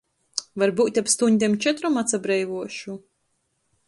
Varbyut ap stuņdem četrom atsabreivuošu.